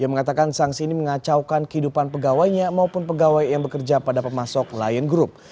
yang mengatakan sanksi ini mengacaukan kehidupan pegawainya maupun pegawai yang bekerja pada pemasok lion group